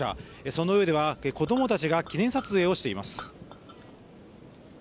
その上では、子どもたちが記念撮影をしています。